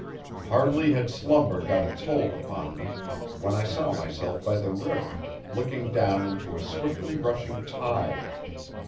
Hardly had slumber got its hold upon me, when I saw myself by the river, looking down into a swiftly rushing tide.